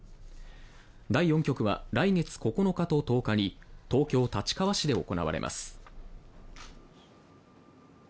第４局は、来月９日と１０日に東京・立川市で行われます。